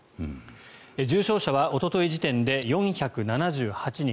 重症者はおととい時点で４７８人。